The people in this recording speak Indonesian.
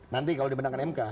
nanti kalau dimenangkan mk